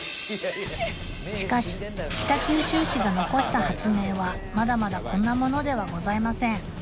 しかし北九州市が残した発明はまだまだこんなものではございません